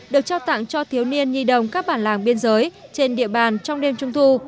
được trao tặng cho thiếu niên nhi đồng các bản làng biên giới trên địa bàn trong đêm trung thu